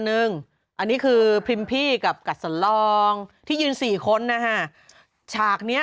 อันนี้คือพิมพี่กับกัดสนรองที่ยืนสี่คนนะฮะฉากเนี้ย